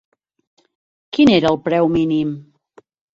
Quin era el preu mínim?